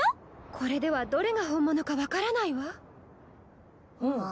これではどれが本物か分からないわ。